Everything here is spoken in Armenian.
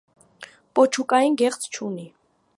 Պոչուկային գեղձ չունի։